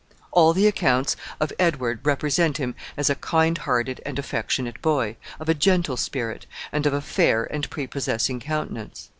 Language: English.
All the accounts of Edward represent him as a kind hearted and affectionate boy, of a gentle spirit, and of a fair and prepossessing countenance.